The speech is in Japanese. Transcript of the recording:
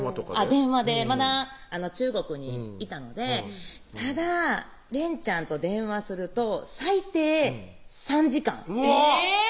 電話でまだ中国にいたのでただ連ちゃんと電話すると最低３時間うわっ！